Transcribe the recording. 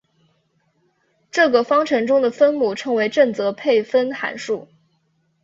这个方程中的分母称为正则配分函数。